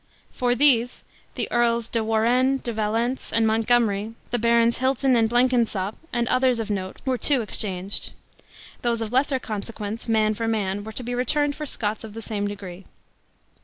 For these, the Earls de Warenne, De Valence, and Montgomery, the Barons Hilton and Blenkinsopp, and others of note, were to exchanged. Those of lesser consequence, man for man, were to be returned for Scots of the same degree.